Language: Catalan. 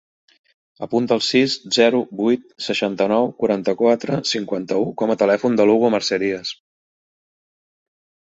Apunta el sis, zero, vuit, seixanta-nou, quaranta-quatre, cinquanta-u com a telèfon de l'Hugo Maceiras.